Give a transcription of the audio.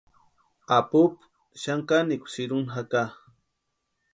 Apupu xani kanikwa sïrhuni jaka.